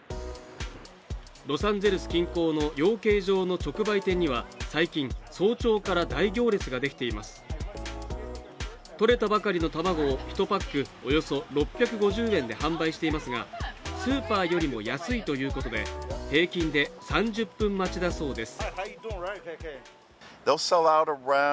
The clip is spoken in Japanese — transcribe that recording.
ロサンゼルス近郊の養鶏場の直売店には最近早朝から大行列ができていますとれたばかりの卵を１パックおよそ６５０円で販売していますがスーパーよりも安いということで平均で３０分待ちだそうです